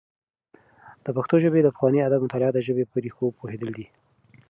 د پښتو ژبې د پخواني ادب مطالعه د ژبې په ريښو پوهېدل دي.